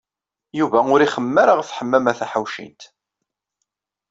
Yuba ur ixemmem ara ɣef Ḥemmama Taḥawcint.